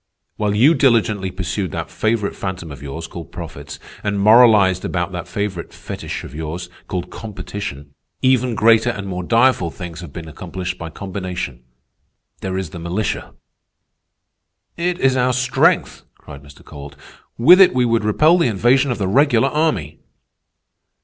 While you diligently pursued that favorite phantom of yours, called profits, and moralized about that favorite fetich of yours, called competition, even greater and more direful things have been accomplished by combination. There is the militia." "It is our strength!" cried Mr. Kowalt. "With it we would repel the invasion of the regular army."